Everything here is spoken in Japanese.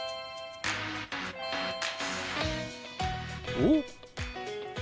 おっ！